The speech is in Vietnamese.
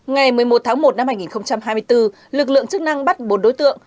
ngày một mươi một tháng một năm hai nghìn hai mươi bốn lực lượng chức năng bắt bốn đối tượng